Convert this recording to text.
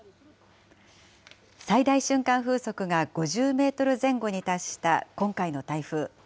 最大瞬間風速が５０メートル前後に達した今回の台風。